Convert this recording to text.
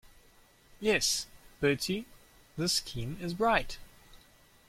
Yes, Bertie, this scheme is bright.